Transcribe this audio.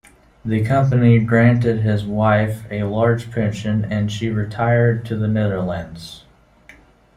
The company granted his wife a large pension and she retired to the Netherlands.